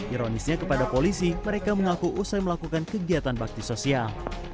ironisnya kepada polisi mereka mengaku usai melakukan kegiatan bakti sosial